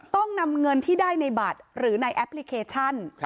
ต้องนำเงินที่ได้ในบัตรหรือในแอปพลิเคชัน